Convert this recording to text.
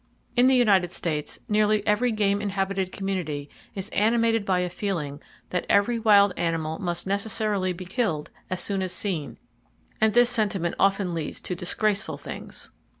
In the United States, nearly every game inhabited community is animated by a feeling that every wild animal must necessarily be killed as soon as seen; and this sentiment often leads to disgraceful things.